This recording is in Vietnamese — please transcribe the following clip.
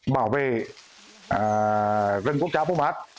bảo vệ rừng quốc gia pumat